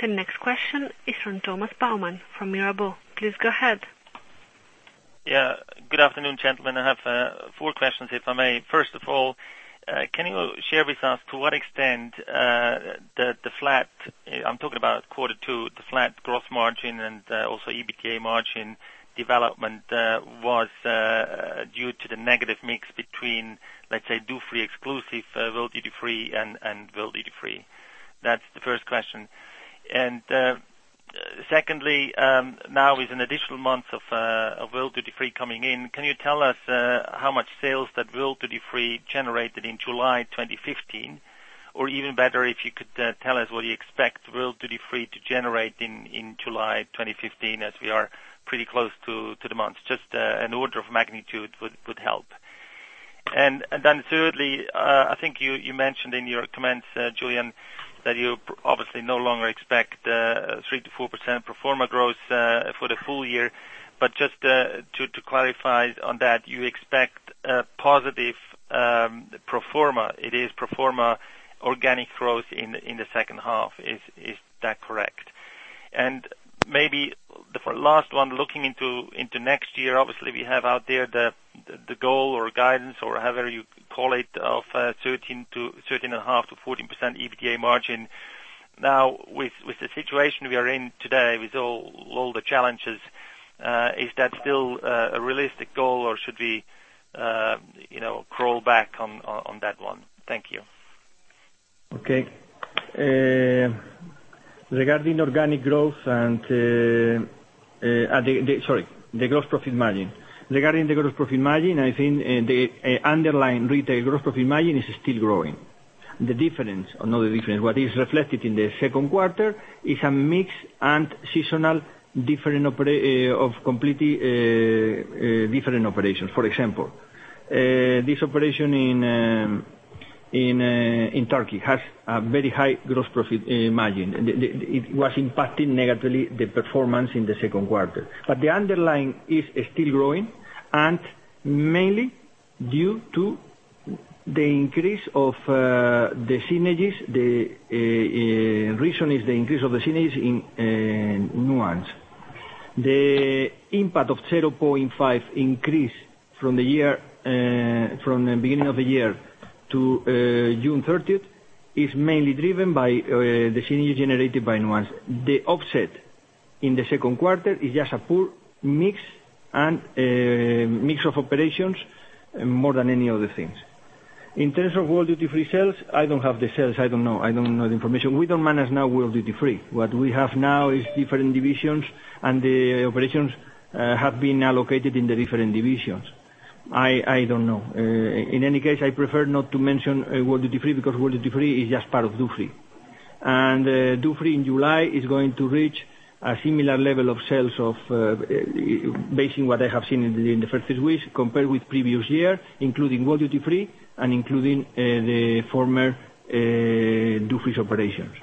The next question is from Thomas Baumann from Mirabaud. Please go ahead.
Yeah. Good afternoon, gentlemen. I have four questions, if I may. First of all, can you share with us to what extent the flat, I'm talking about Q2, the flat gross margin and also EBITDA margin development, was due to the negative mix between, let's say, Dufry exclusive, World Duty Free and World Duty Free? That's the first question. Secondly, now with an additional month of World Duty Free coming in, can you tell us how much sales that World Duty Free generated in July 2015? Or even better, if you could tell us what you expect World Duty Free to generate in July 2015, as we are pretty close to the month. Just an order of magnitude would help. Thirdly, I think you mentioned in your comments, Julián, that you obviously no longer expect 3%-4% pro forma growth for the full year, but just to clarify on that, you expect a positive pro forma, it is pro forma organic growth in the second half. Is that correct? Maybe the last one, looking into next year, obviously we have out there the goal or guidance or however you call it, of 13.5%-14% EBITDA margin. Now, with the situation we are in today, with all the challenges, is that still a realistic goal or should we crawl back on that one? Thank you.
Okay. Regarding organic growth. Sorry. The gross profit margin. Regarding the gross profit margin, I think the underlying retail gross profit margin is still growing. The difference or not the difference, what is reflected in the second quarter is a mix and seasonal different of completely different operations. For example, this operation in Turkey has a very high gross profit margin. It was impacting negatively the performance in the second quarter. The underlying is still growing and mainly due to the increase of the synergies. The reason is the increase of the synergies in Nuance. The impact of 0.5 increase from the beginning of the year to June 30th is mainly driven by the synergy generated by Nuance. The offset in the second quarter is just a poor mix and mix of operations more than any other things. In terms of World Duty Free sales, I don't have the sales. I don't know. I don't know the information. We don't manage now World Duty Free. What we have now is different divisions, and the operations have been allocated in the different divisions. I don't know. In any case, I prefer not to mention World Duty Free because World Duty Free is just part of Dufry. Dufry in July is going to reach a similar level of sales basing what I have seen in the first three weeks compared with previous year, including World Duty Free and including the former Dufry's operations.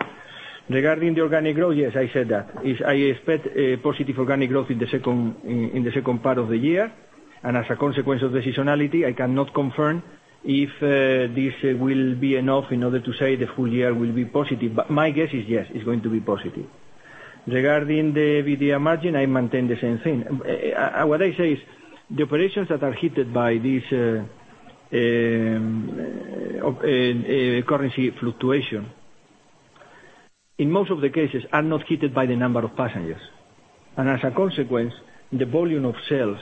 Regarding the organic growth, yes, I said that. I expect a positive organic growth in the second part of the year. As a consequence of the seasonality, I cannot confirm if this will be enough in order to say the full year will be positive. My guess is yes, it's going to be positive. Regarding the EBITDA margin, I maintain the same thing. What I say is the operations that are hit by this currency fluctuation, in most of the cases, are not hit by the number of passengers. As a consequence, the volume of sales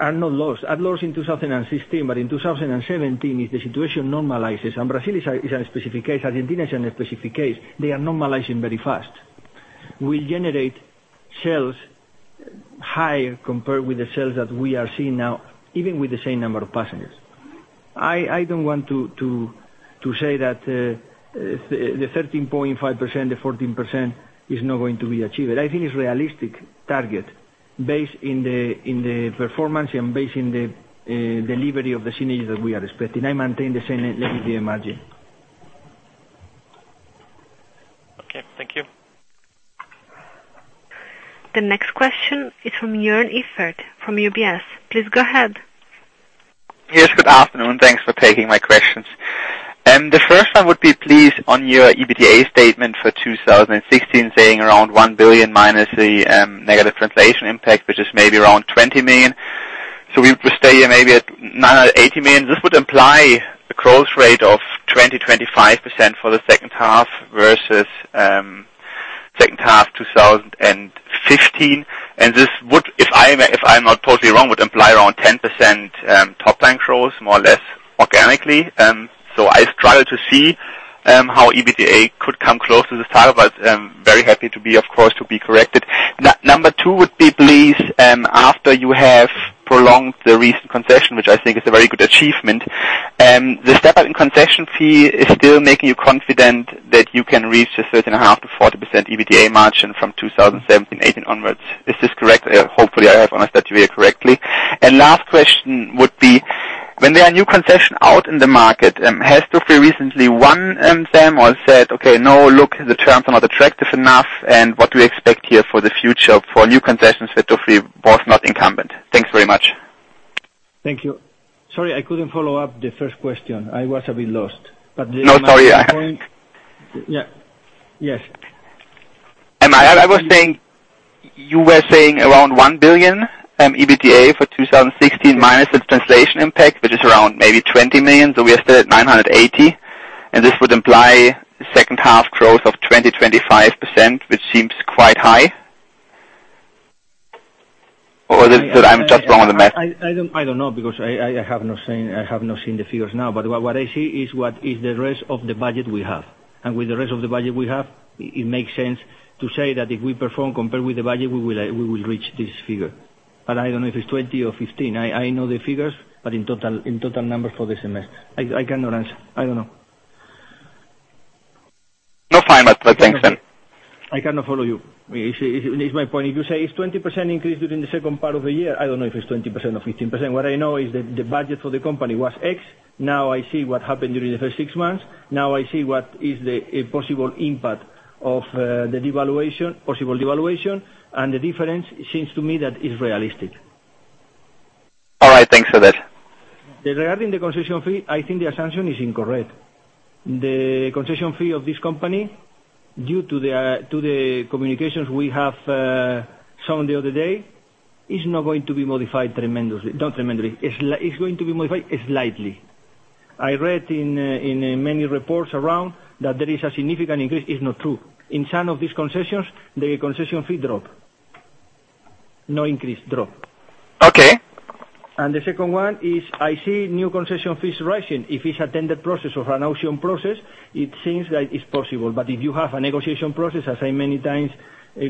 are not lost. At loss in 2016, but in 2017, if the situation normalizes, and Brazil is a specific case, Argentina is a specific case, they are normalizing very fast. We generate sales higher compared with the sales that we are seeing now, even with the same number of passengers. I don't want to say that the 13.5%, the 14% is not going to be achieved. I think it's realistic target based in the performance and based in the delivery of the synergies that we are expecting. I maintain the same net EBITDA margin.
Okay. Thank you.
The next question is from Joern Iffert from UBS. Please go ahead.
Yes, good afternoon. Thanks for taking my questions. The first one would be, please, on your EBITDA statement for 2016, saying around 1 billion minus the negative translation impact, which is maybe around 20 million. We stay maybe at 80 million. This would imply a growth rate of 20%-25% for the second half versus second half 2015. This would, if I'm not totally wrong, would imply around 10% top line growth, more or less organically. I struggle to see how EBITDA could come close to this target, very happy, of course, to be corrected. Number two would be, please, after you have prolonged the recent concession, which I think is a very good achievement, the step-up in concession fee is still making you confident that you can reach the 13.5%-14% EBITDA margin from 2017 and 2018 onwards. Is this correct? Hopefully, I have understood you correctly. Last question would be, when there are new concession out in the market, has Dufry recently won them or said, "Okay, no. Look, the terms are not attractive enough." What do you expect here for the future for new concessions that Dufry was not incumbent? Thanks very much.
Thank you. Sorry, I couldn't follow up the first question. I was a bit lost.
No, sorry.
Yeah. Yes.
You were saying around 1 billion EBITDA for 2016, minus its translation impact, which is around maybe 20 million. We are still at 980 million, and this would imply second half growth of 20%-25%, which seems quite high. I'm just wrong on the math.
I don't know because I have not seen the figures now, but what I see is what is the rest of the budget we have. With the rest of the budget we have, it makes sense to say that if we perform compared with the budget, we will reach this figure. I don't know if it's 20% or 15%. I know the figures, but in total numbers for the semester. I cannot answer. I don't know.
No, fine. Thanks then.
I cannot follow you. It's my point. If you say it's 20% increase during the second part of the year, I don't know if it's 20% or 15%. What I know is that the budget for the company was X. Now I see what happened during the first six months. Now I see what is the possible impact of the possible devaluation, and the difference seems to me that it's realistic.
All right, thanks for that.
Regarding the concession fee, I think the assumption is incorrect. The concession fee of this company, due to the communications we have shown the other day, is not going to be modified tremendously. Not tremendously. It's going to be modified slightly. I read in many reports around that there is a significant increase, it's not true. In some of these concessions, the concession fee drop. No increase, drop.
Okay.
The second one is, I see new concession fees rising. If it's a tendered process of an auction process, it seems like it's possible. If you have a negotiation process, as I many times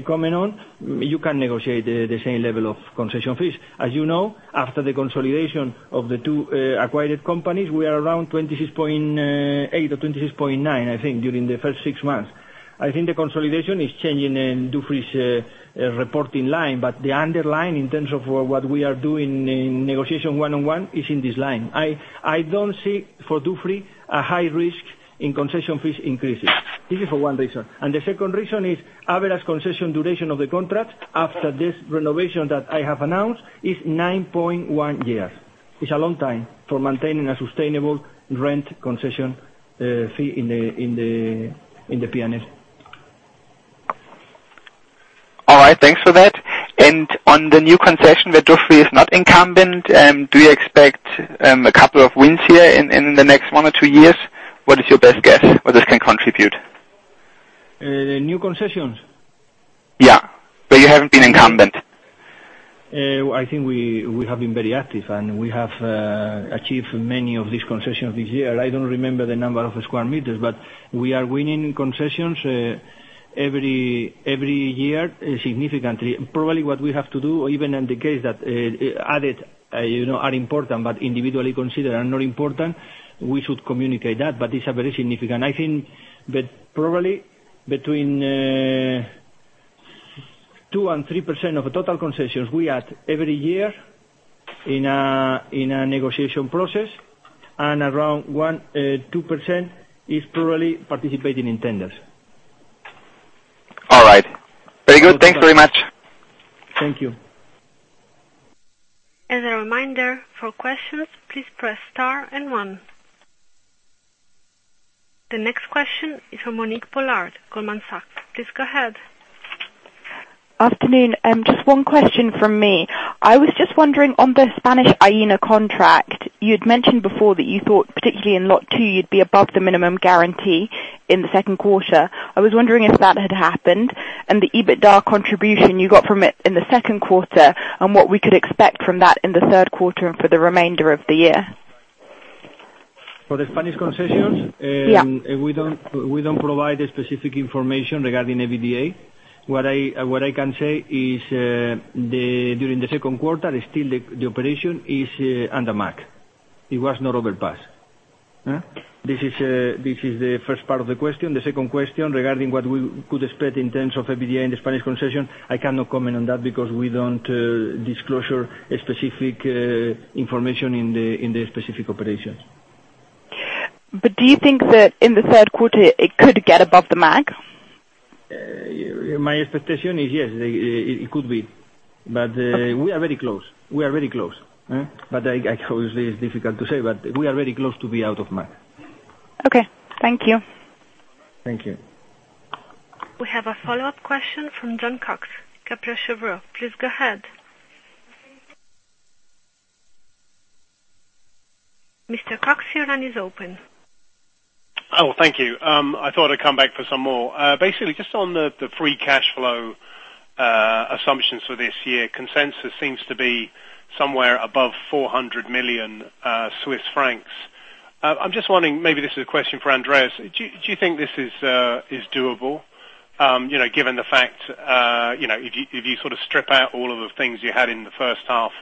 comment on, you can negotiate the same level of concession fees. As you know, after the consolidation of the two acquired companies, we are around 26.8 or 26.9, I think, during the first six months. I think the consolidation is changing in Dufry's reporting line, but the underlying, in terms of what we are doing in negotiation one-on-one, is in this line. I don't see, for Dufry, a high risk in concession fees increases. This is for one reason. The second reason is average concession duration of the contract after this renovation that I have announced is 9.1 years. It's a long time for maintaining a sustainable rent concession fee in the P&L.
All right, thanks for that. On the new concession where Dufry is not incumbent, do you expect a couple of wins here in the next one or two years? What is your best guess, what this can contribute?
New concessions?
Yeah. Where you haven't been incumbent.
I think we have been very active. We have achieved many of these concessions this year. I don't remember the number of square meters, but we are winning concessions every year significantly. Probably what we have to do, even in the case that added are important, but individually considered are not important, we should communicate that, but it's very significant. I think that probably between 2% and 3% of the total concessions we add every year in a negotiation process, and around 1% or 2% is probably participating in tenders.
All right. Very good. Thanks very much.
Thank you.
As a reminder, for questions, please press star and one. The next question is from Monique Pollard, Goldman Sachs. Please go ahead.
Afternoon. Just one question from me. I was just wondering on the Spanish Aena contract, you had mentioned before that you thought particularly in lot two you'd be above the minimum guarantee in the second quarter. I was wondering if that had happened and the EBITDA contribution you got from it in the second quarter and what we could expect from that in the third quarter and for the remainder of the year.
For the Spanish concessions.
Yeah
we don't provide specific information regarding EBITDA. What I can say is, during the second quarter, still the operation is under MAG. It was not overpassed. This is the first part of the question. The second question regarding what we could expect in terms of EBITDA in the Spanish concession, I cannot comment on that because we don't disclose specific information in the specific operations.
Do you think that in the third quarter it could get above the MAG?
My expectation is, yes, it could be. We are very close. Obviously it's difficult to say, but we are very close to be out of MAG.
Okay. Thank you.
Thank you.
We have a follow-up question from Jon Cox, Kepler Cheuvreux. Please go ahead. Mr. Cox, your line is open.
Oh, thank you. I thought I'd come back for some more. Basically, just on the free cash flow assumptions for this year. Consensus seems to be somewhere above 400 million Swiss francs. I'm just wondering, maybe this is a question for Andreas, do you think this is doable? Given the fact, if you strip out all of the things you had in the first half,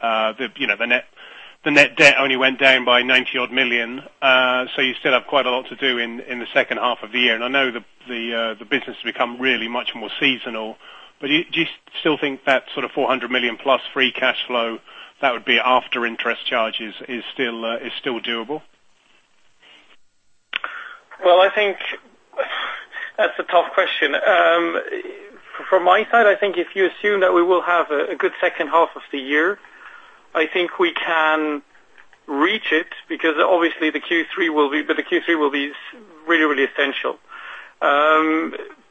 the net debt only went down by 90 odd million. You still have quite a lot to do in the second half of the year. I know the business has become really much more seasonal. Do you still think that sort of 400 million plus free cash flow, that would be after interest charges, is still doable?
Well, I think that's a tough question. From my side, I think if you assume that we will have a good second half of the year, I think we can reach it, because obviously the Q3 will be really essential.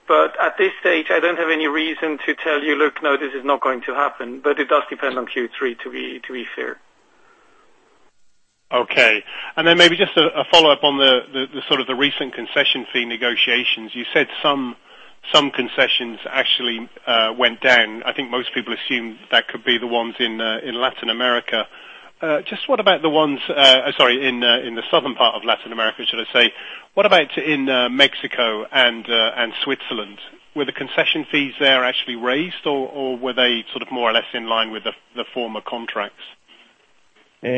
At this stage, I don't have any reason to tell you, "Look, no, this is not going to happen." It does depend on Q3, to be fair.
Okay. Maybe just a follow-up on the recent concession fee negotiations. You said some concessions actually went down. I think most people assume that could be the ones in Latin America. Just what about, sorry, in the southern part of Latin America, should I say. What about in Mexico and Switzerland? Were the concession fees there actually raised, or were they sort of more or less in line with the former contracts?
Well,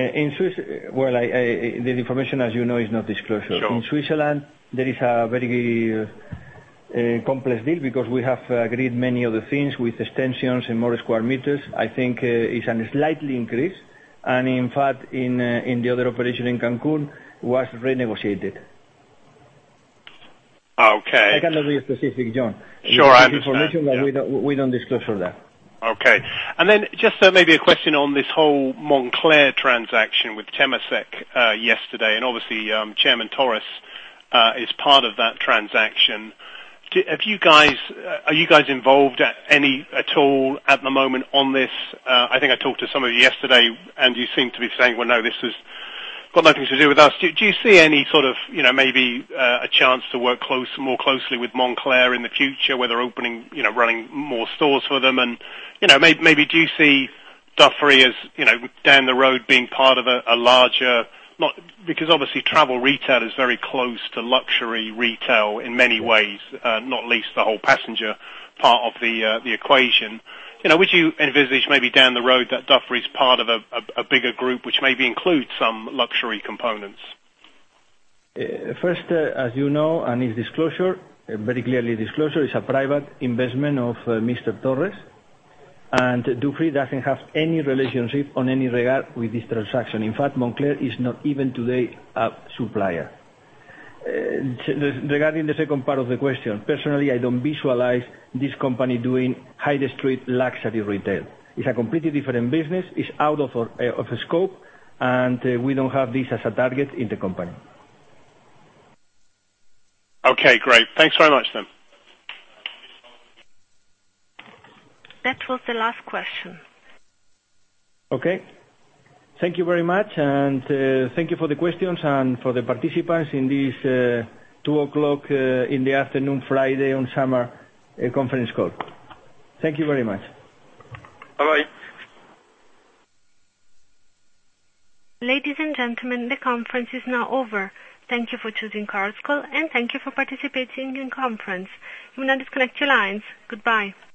the information, as you know, is not disclosed.
Sure.
In Switzerland, there is a very complex deal because we have agreed many other things with extensions and more square meters. I think it's slightly increased. In fact, in the other operation in Cancun, was renegotiated.
Okay.
I cannot be specific, Jon.
Sure. I understand.
It's information, we don't disclose for that.
Okay. Just maybe a question on this whole Moncler transaction with Temasek yesterday. Obviously, Chairman Torres is part of that transaction. Are you guys involved at all at the moment on this? I think I talked to some of you yesterday. You seem to be saying, "Well, no, this has got nothing to do with us." Do you see any sort of maybe a chance to work more closely with Moncler in the future, whether opening, running more stores for them and, maybe do you see Dufry as, down the road being part of a larger Because obviously travel retail is very close to luxury retail in many ways, not least the whole passenger part of the equation. Would you envisage maybe down the road that Dufry is part of a bigger group, which maybe includes some luxury components?
First, as you know, is disclosure, very clearly disclosure, it's a private investment of Mr. Torres. Dufry doesn't have any relationship on any regard with this transaction. In fact, Moncler is not even today a supplier. Regarding the second part of the question, personally, I don't visualize this company doing high-street luxury retail. It's a completely different business, it's out of scope, and we don't have this as a target in the company.
Okay, great. Thanks very much then.
That was the last question.
Okay. Thank you very much, and thank you for the questions and for the participants in this 2:00 P.M., Friday on summer conference call. Thank you very much.
Bye-bye.
Ladies and gentlemen, the conference is now over. Thank you for choosing Chorus Call, and thank you for participating in the conference. You may now disconnect your lines. Goodbye.